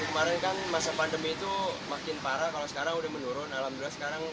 kemarin kan masa pandemi itu makin parah kalau sekarang udah menurun alhamdulillah sekarang